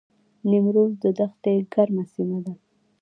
نیمروز د دښتې ګرمه سیمه ده